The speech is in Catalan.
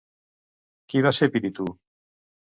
Qui va ser Pirítou?